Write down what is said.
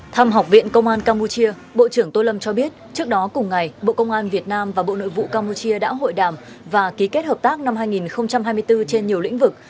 thăm học viện công an campuchia bộ trưởng tô lâm cho biết trước đó cùng ngày bộ công an việt nam và bộ nội vụ campuchia đã hội đàm và ký kết hợp tác năm hai nghìn hai mươi bốn trên nhiều lĩnh vực